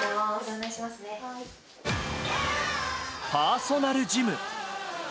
パーソナルジム。